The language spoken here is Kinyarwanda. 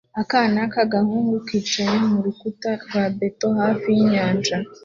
Akana k'agahungu kicaye ku rukuta rwa beto hafi y'inyanja